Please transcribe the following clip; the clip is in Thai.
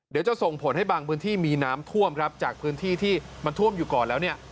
เดี๋ยวจะส่งผลให้บางพื้นที่มีน้ำท่วมครับจากพื้นที่ที่มันท่วมอยู่ก่อนแล้วเนี่ย